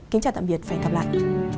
kính chào tạm biệt và hẹn gặp lại